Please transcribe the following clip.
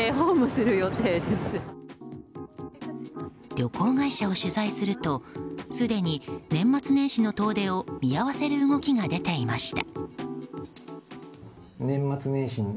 旅行会社を取材するとすでに年末年始の遠出を見合わせる動きが出ていました。